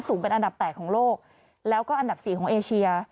เป็นอันดับ๘ของโลกแล้วก็อันดับ๔ของเอเชีย